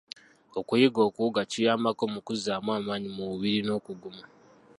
Okuyiga okuwuga kiyambako mu kuzzaamu amaanyi mu mubiri n'okuguma.